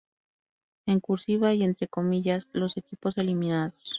En cursiva y entre comillas, los equipos eliminados.